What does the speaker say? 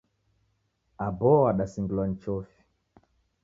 Aboo wadasingilwa ni chofi.